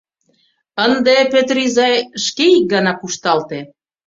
Ынде, Пӧтыр изай, шке ик гана кушталте!